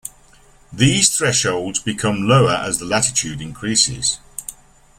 These thresholds become lower as the latitude increases.